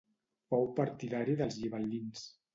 Fou partidari dels gibel·lins.